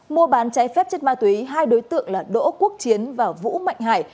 mua bán cháy phép chất ma túy hai đối tượng là đỗ quốc chiến và vũ mạnh hải